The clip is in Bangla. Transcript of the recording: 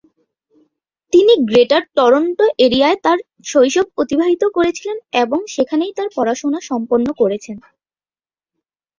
তিনি গ্রেটার টরন্টো এরিয়ায় তাঁর শৈশব অতিবাহিত করেছিলেন এবং সেখানেই তাঁর পড়াশোনা সম্পন্ন করেছেন।